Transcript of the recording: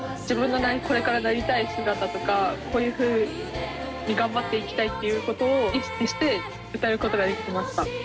自分のこれからなりたい姿とかこういうふうに頑張っていきたいということを意識して歌うことができました。